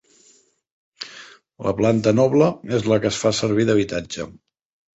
La planta noble és la que es fa servir d'habitatge.